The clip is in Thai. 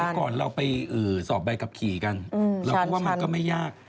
ก่อนเราไปสอบใบขับขี่กันเราก็ว่ามันก็ไม่ยาก